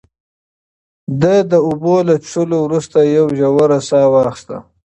ده د اوبو له څښلو وروسته یوه ژوره ساه واخیسته.